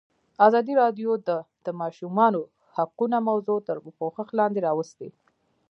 ازادي راډیو د د ماشومانو حقونه موضوع تر پوښښ لاندې راوستې.